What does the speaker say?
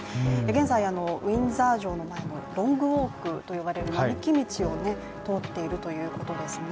現在、ウィンザー城の前のロング・ウォークと呼ばれる並木道を通っているということですね。